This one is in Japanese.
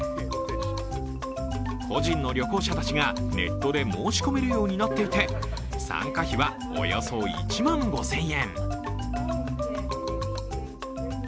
個人の旅行者たちがネットで申し込めるようになっていて参加費はおよそ１万５０００円。